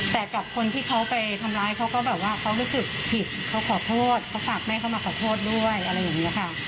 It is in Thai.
แต่กับคนที่เขาไปทำร้ายเขาก็แบบว่าเขารู้สึกผิดเขาขอโทษเขาฝากแม่เขามาขอโทษด้วยอะไรอย่างนี้ค่ะ